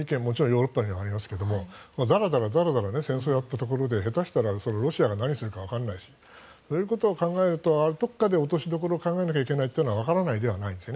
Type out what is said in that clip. ヨーロッパにもありますがだらだら戦争をやったところで下手したらロシアが何をやるかわからないしというところを考えるとどこかで落としどころを探るというのはわからないではないです。